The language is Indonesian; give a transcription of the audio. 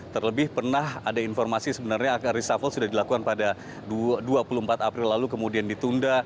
terlebih pernah ada informasi sebenarnya reshuffle sudah dilakukan pada dua puluh empat april lalu kemudian ditunda